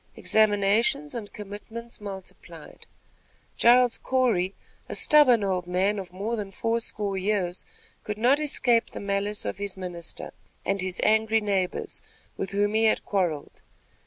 Examinations and commitments multiplied. Giles Corey, a stubborn old man of more than four score years, could not escape the malice of his minister and his angry neighbors, with whom he had quarrelled.